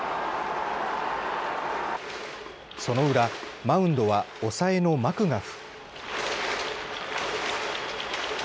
その裏、マウンドは抑えのマクガフ。